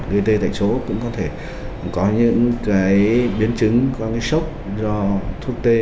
gây tê tại chỗ cũng có thể có những biến chứng có những sốc do thuốc tê